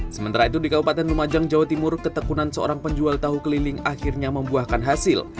sementara itu di kabupaten lumajang jawa timur ketekunan seorang penjual tahu keliling akhirnya membuahkan hasil